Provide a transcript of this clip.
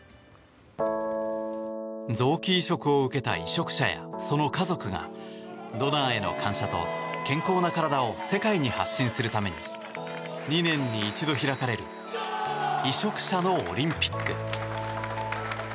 臓器移植を受けた移植者やその家族がドナーへの感謝と健康な体を世界に発信するために２年に一度開かれる移植者のオリンピック。